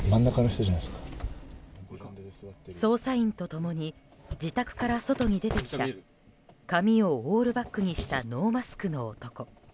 捜査員と共に自宅から外に出てきた髪をオールバックにしたノーマスクの男。